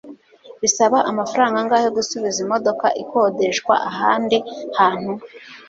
Bisaba amafaranga angahe gusubiza imodoka ikodeshwa ahandi hantu?